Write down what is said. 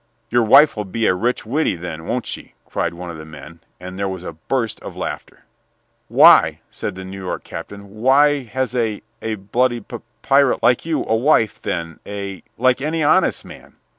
"Your wife 'll be a rich widdy then, won't she?" cried one of the men; and there was a burst of laughter. "Why," said the New York captain, "why, has a a bloody p pirate like you a wife then a like any honest man?"